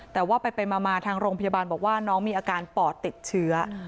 แต่ว่าไปมาทางโรงพยาบาลบอกว่าน้องมีอาการปอดติดเชื้อ